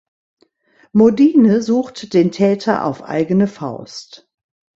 Modine sucht den Täter auf eigene Faust.